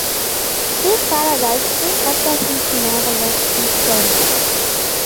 His father died soon after and his mother was infirm.